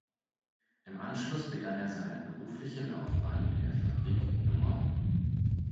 Im Anschluss begann er seine berufliche Laufbahn in der Fabrik Nr.